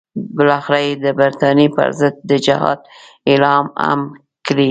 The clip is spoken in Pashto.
بالاخره یې د برټانیې پر ضد د جهاد اعلان هم کړی دی.